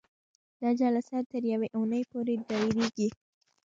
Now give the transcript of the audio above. دا جلسه تر یوې اونۍ پورې دایریږي.